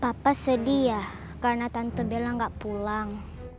papa sedih ya karena tante bilang gak pulang